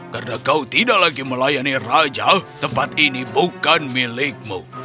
karena kau tidak lagi melayani raja tempat ini bukan milikmu